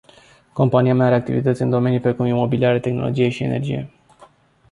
Compania mai are activități în domenii precum imobiliare, tehnologie și energie.